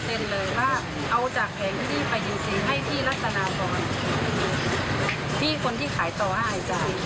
เป็นคนที่ขายต่ออาจารย์